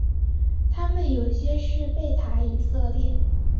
他们有些是贝塔以色列。